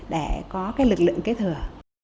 để có lực lượng kế thừa